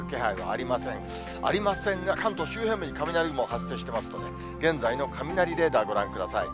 ありませんが、関東周辺に雷雲発生していますので、現在の雷レーダーご覧ください。